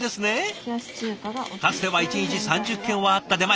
かつては１日３０件はあった出前